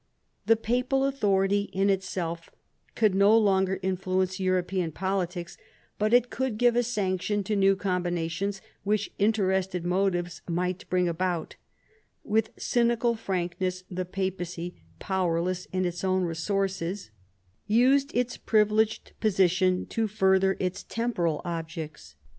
The papal authority in itself could no longer infiuence European politics ; but it could give a sanction to new combina tions which interested motives might bring about With C3niical frankness the Papacy, powerless in its own resources, used its privileged position to further its temporal objects.